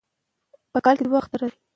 تولستوی د خپلو کرکټرونو له لارې ژوند کوي.